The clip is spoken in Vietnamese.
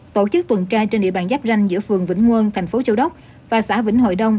tổ chức tuần tra trên địa bàn giáp ranh giữa phường vĩnh quân thành phố châu đốc và xã vĩnh hội đông